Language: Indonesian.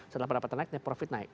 setelah pendapatan naik net profit naik